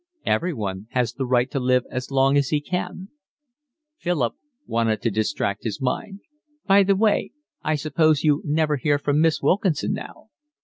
"Everyone has the right to live as long as he can." Philip wanted to distract his mind. "By the way, I suppose you never hear from Miss Wilkinson now?"